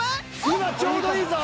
今ちょうどいいぞ。